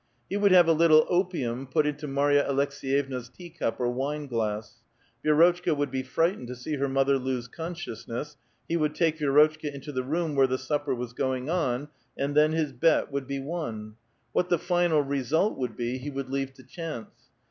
He would have a little opium put into Marya Aleks6 yevna's teacup or wineglass ; Vi^rotchka would be fright ened to see her mother lose consciousness ; he would take Vi^rotchka into the room where the supper was going on, and then his bet would be won ; what the final result would be, he would leave to chance.